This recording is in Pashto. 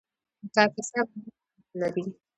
د کاپیسا باغونه انار لري.